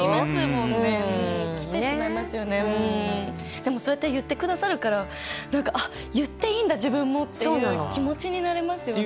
でもそうやって言ってくださるからなんか言っていいんだ自分もっていう気持ちになれますよね。